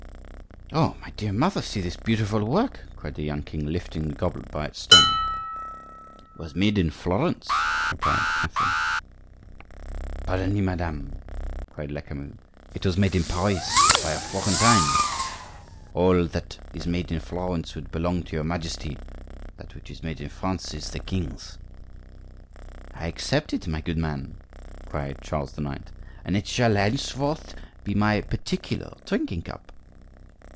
"Oh! my dear mother, see this beautiful work!" cried the young king, lifting the goblet by its stem. "It was made in Florence," replied Catherine. "Pardon me, madame," said Lecamus, "it was made in Paris by a Florentine. All that is made in Florence would belong to your Majesty; that which is made in France is the king's." "I accept it, my good man," cried Charles IX.; "and it shall henceforth be my particular drinking cup."